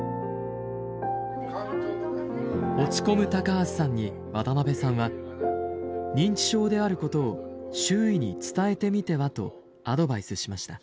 落ち込む高橋さんに渡邊さんは認知症であることを周囲に伝えてみてはとアドバイスしました。